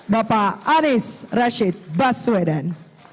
bapak anies rashid baswedan